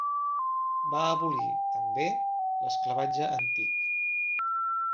Va abolir, també, l'esclavatge antic.